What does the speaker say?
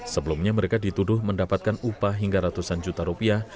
sebelumnya mereka dituduh mendapatkan upah hingga ratusan juta rupiah